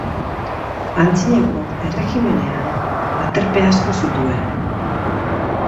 Antzinako Erregimenean aterpe asko zituen.